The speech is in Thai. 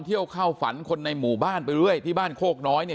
เข้าฝันคนในหมู่บ้านไปเรื่อยที่บ้านโคกน้อยเนี่ย